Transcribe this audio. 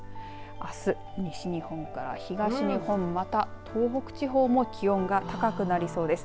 あす西日本から東日本また、東北地方も気温が高くなりそうです。